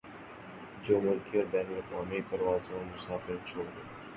جو ملکی اور بین الاقوامی پروازوں پر مسافر چھوڑ گئے